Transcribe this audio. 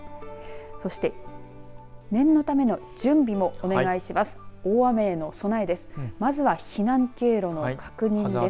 そして念のための準備もお願いします。